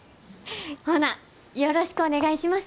ほなよろしくお願いします！